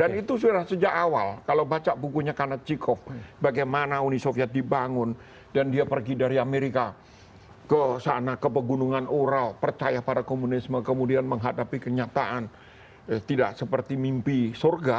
dan itu sudah sejak awal kalau baca bukunya kanat cikov bagaimana uni soviet dibangun dan dia pergi dari amerika ke sana ke pegunungan ural percaya pada komunisme kemudian menghadapi kenyataan tidak seperti mimpi surga